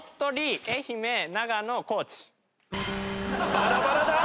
バラバラだ！